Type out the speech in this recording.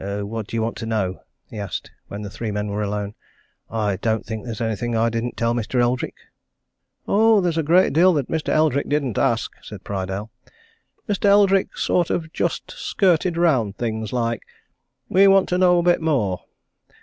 "What do you want to know?" he asked, when the three men were alone. "I don't think there's anything that I didn't tell Mr. Eldrick." "Oh, there's a great deal that Mr. Eldrick didn't ask," said Prydale. "Mr. Eldrick sort of just skirted round things, like. We want to know a bit more.